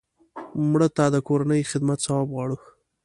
مړه ته د کورنۍ خدمت ثواب غواړو